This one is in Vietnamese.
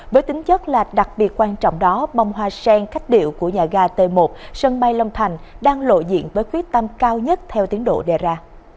với tính chất là đặc biệt quan trọng đó bông hoa sen khách điệu của nhà ga t một sân bay long thành đang lộ diện với quyết tâm cao nhất theo tiến độ đề ra